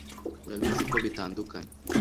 Urabizi ko bitandukanye